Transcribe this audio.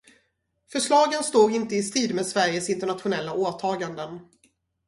Förslagen står inte i strid med Sveriges internationella åtaganden.